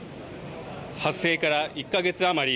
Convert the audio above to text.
発生から１か月余り。